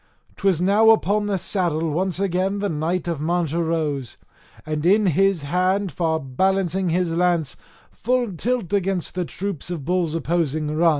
'Twas now upon the saddle once again the knight of Mancha rose, and in his hand far balancing his lance, full tilt against the troops of bulls opposing run.